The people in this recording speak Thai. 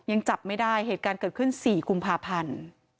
ยังจับไม่ได้ตอนเกิดขึ้น๔กุมพาพันธ์